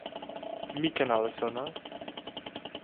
mi ken ala sona.